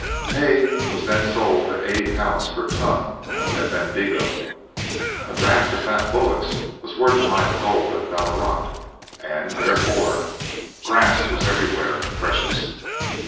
Hay was then sold at 80 pounds per ton at Bendigo; a draft of fat bullocks was worth a mine of gold at Ballarat, and, therefore, grass was everywhere precious.